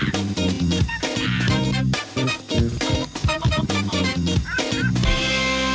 โปรดติดตามตอนต่อไป